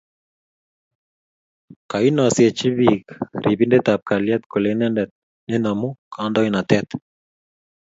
kiinaiseji biik ripindet ab kalyet kole inendet nenomu kaindoinatet